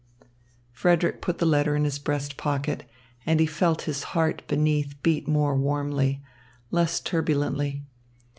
Frederick put the letter in his breast pocket, and he felt his heart beneath beat more warmly, less turbulently.